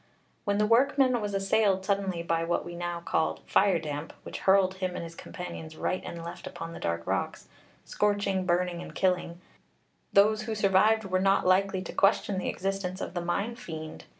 When the workman was assailed suddenly by what we now call fire damp, which hurled him and his companions right and left upon the dark rocks, scorching, burning, and killing, those who survived were not likely to question the existence of the mine fiend.